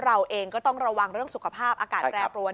เราเองก็ต้องระวังเรื่องสุขภาพอากาศแปรปรวน